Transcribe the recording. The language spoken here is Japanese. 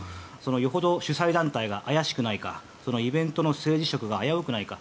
よほど主催団体が怪しくないかイベントの政治色が危うくないか